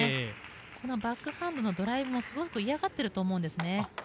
このバックハンドのドライブもすごく嫌がってると思います。